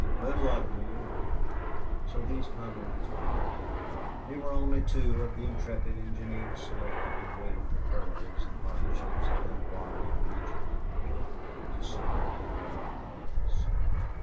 "Good luck to you." So these comrades parted. They were only two of the intrepid engineers selected to brave the perils and hardships of that wild region in winter, to serve the great cause.